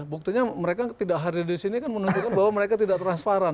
buktinya mereka tidak hadir di sini kan menunjukkan bahwa mereka tidak transparan